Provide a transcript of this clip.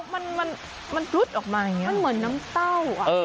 มันมันมันดูดออกมาอย่างเงี้ยมันเหมือนน้ำเต้าอ่ะเออ